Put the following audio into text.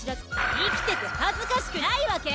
生きてて恥ずかしくないワケ？